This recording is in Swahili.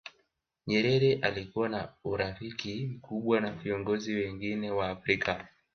nyerere alikuwa na urafiki mkubwa na viongozi wengine wa afrika